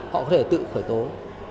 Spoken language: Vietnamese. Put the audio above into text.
họ có thể tự khởi thối